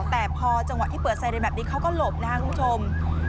แต่พอจังหวะที่เปิดไซเรนแบบนี้เขาก็หลบนะครับคุณผู้ชม